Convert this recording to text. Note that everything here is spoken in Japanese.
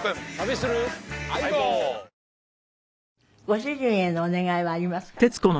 ご主人へのお願いはありますか？